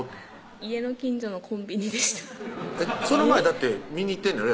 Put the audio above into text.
家の近所のコンビニでしたその前だって見に行ってんねやろ？